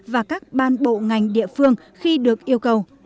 và các ban bộ ngành địa phương khi được yêu cầu